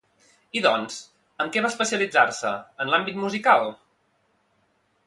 I doncs, amb què va especialitzar-se, en l'àmbit musical?